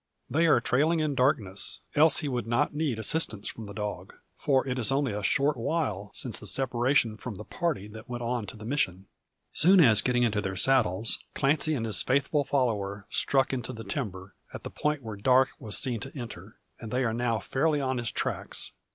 They are trailing in darkness, else he would not need assistance from the dog. For it is only a short while since his separation from the party that went on to the Mission. Soon as getting into their saddles, Clancy and his faithful follower struck into the timber, at the point where Darke was seen to enter, and they are now fairly on his tracks.